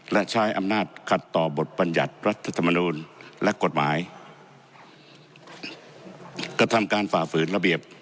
และใช้อำนาจขัดต่อบทบรรยัติรัฐธรรมนูลและกฎหมายกระทำการฝ่าฝืนระเบียบ